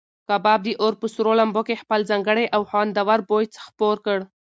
کباب د اور په سرو لمبو کې خپل ځانګړی او خوندور بوی خپور کړ.